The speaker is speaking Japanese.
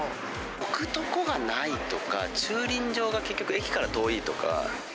置く所がないとか、駐輪場が結局、駅から遠いとか。